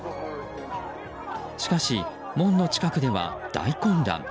しかし、門の近くでは大混乱。